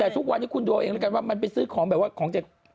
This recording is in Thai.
แต่ทุกวันนี้คุณดูเอาเองแล้วกันว่ามันไปซื้อของแบบว่าของจาก